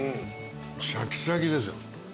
シャキシャキですよ。